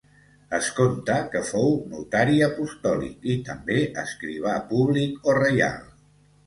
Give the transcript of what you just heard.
Es conta que fou notari apostòlic i també escrivà públic o reial.